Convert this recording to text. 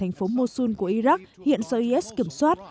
hắn đang ở thành phố mosul của iraq hiện do is kiểm soát